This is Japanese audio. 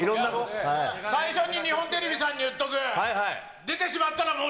最初に日本テレビさんに言っとく。